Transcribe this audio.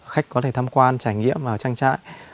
khách có thể tham quan trải nghiệm vào trang trại